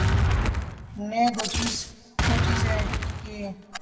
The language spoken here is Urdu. ‘نے دوچیزیں کیں۔